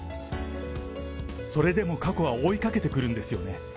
それでも過去は追いかけてくるんですよね。